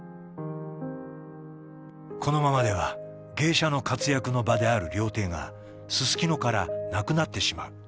「このままでは芸者の活躍の場である料亭がすすきのからなくなってしまう」。